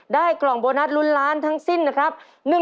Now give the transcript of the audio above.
กล่องโบนัสลุ้นล้านทั้งสิ้นนะครับ